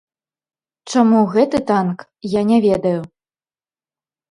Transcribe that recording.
Чаму гэты танк, я не ведаю.